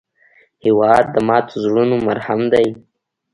هېواد د ماتو زړونو مرهم دی.